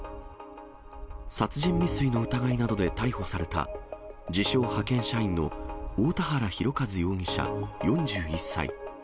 殺人未遂の疑いなどで逮捕された自称派遣社員の大田原広和容疑者４１歳。